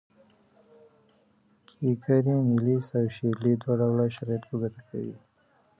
کیکیري، نیلیس او شیرلي دوه ډوله شرایط په ګوته کوي.